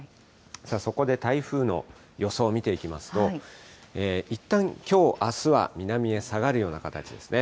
そこで台風の予想見ていきますと、いったんきょう、あすは南へ下がるような形ですね。